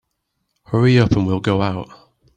Hurry up and we'll go out.